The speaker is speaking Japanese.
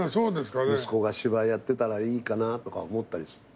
息子が芝居やってたらいいかなとか思ったりする。